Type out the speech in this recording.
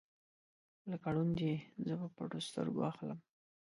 لکه ړوند یې زه په پټو سترګو اخلم